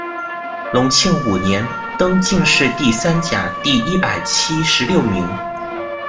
隆庆五年，登进士第三甲第一百七十六名。